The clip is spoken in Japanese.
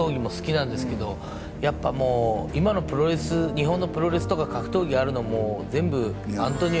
やっぱもう今のプロレス日本のプロレスとか格闘技あるのも全部。